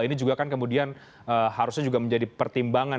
ini juga kan kemudian harusnya juga menjadi pertimbangan